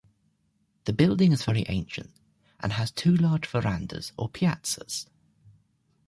The building is very ancient and has two large verandas or piazzas.